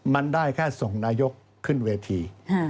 มันได้แค่ส่งนายกขึ้นเวที